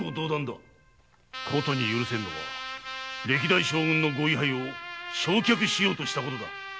殊に許せぬのは歴代将軍のご位牌を焼却しようとしたこと！